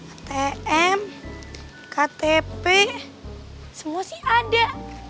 atm ktp semua sih ada